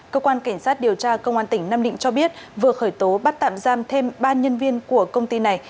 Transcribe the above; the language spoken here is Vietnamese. cơ quan cảnh sát điều tra công an tỉnh nam định cho biết vừa khởi tố bắt tạm giam thêm ba nhân viên của công ty này